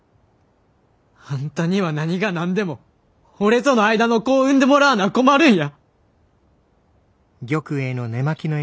あんたには何が何でも俺との間の子を産んでもらわな困るんや！